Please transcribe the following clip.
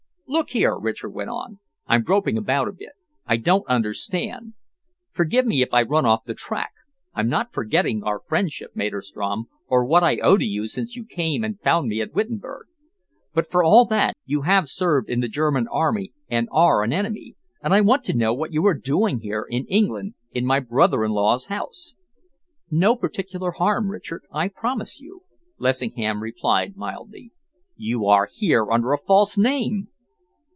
"Look here," Richard went on, "I'm groping about a bit. I don't understand. Forgive me if I run off the track. I'm not forgetting our friendship, Maderstrom, or what I owe to you since you came and found me at Wittenburg. But for all that, you have served in the German Army and are an enemy, and I want to know what you are doing here, in England, in my brother in law's house." "No particular harm, Richard, I promise you," Lessingham replied mildly. "You are here under a false name!"